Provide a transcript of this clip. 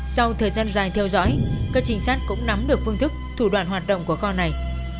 sau thời gian dài theo dõi các trinh sát cũng nắm được phương thức thủ đoạn hoạt động của kho này